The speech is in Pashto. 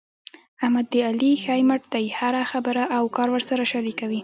احمد د علي ښی مټ دی. هره خبره او کار ورسره شریکوي.